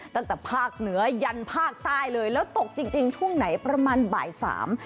ตั้งแต่ภาคเหนือยันภาคใต้เลยแล้วตกจริงจริงช่วงไหนประมาณบ่ายสาม